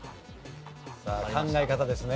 さあ考え方ですね。